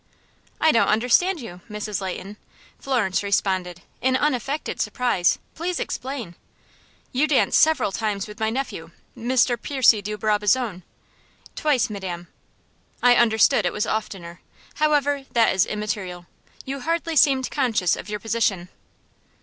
"I don't understand you, Mrs. Leighton," Florence responded, in unaffected surprise. "Please explain." "You danced several times with my nephew, Mr. Percy de Brabazon." "Twice, madam." "I understood it was oftener. However, that is immaterial. You hardly seemed conscious of your position."